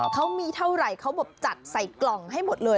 เขามีเท่าไหร่เขาแบบจัดใส่กล่องให้หมดเลย